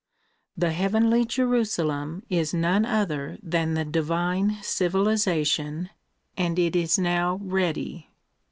The heavenly Jerusalem is none other than the divine civilization, and it is now ready.